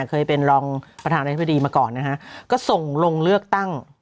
เคยเป็นรองประธานาธิบดีมาก่อนนะฮะก็ส่งลงเลือกตั้ง